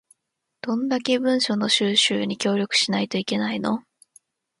どんだけ文書の収集に協力しないといけないの